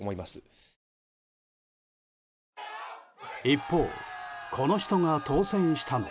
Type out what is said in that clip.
一方、この人が当選したの？